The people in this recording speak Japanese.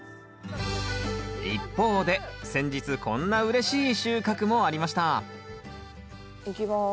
一方で先日こんなうれしい収穫もありましたいきます。